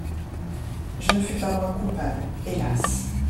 Je ne fus pas moins coupable, hélas!